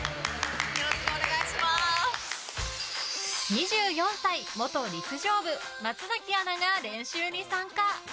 ２４歳、元陸上部松崎アナが練習に参加。